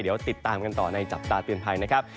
เดี๋ยวติดตามกันต่อในจับตาเตือนภัยนะครับ